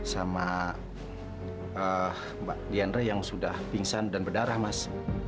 sama mbak diandra yang sudah pingsan dan berdarah mas